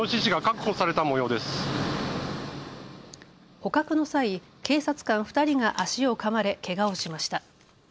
捕獲の際、警察官２人が足をかまれけがをしました。